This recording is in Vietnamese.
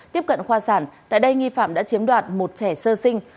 tiếp cận khoa sản tại đây nghi phạm đã chiếm đoạt một trẻ sơ sinh